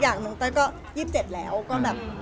แจ้งเย็นเย็นแค่